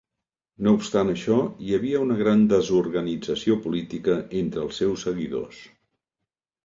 No obstant això, hi havia una gran desorganització política entre els seus seguidors.